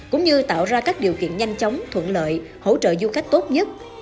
cũng như tạo ra các điều kiện nhanh chóng thuận lợi hỗ trợ du khách tốt nhất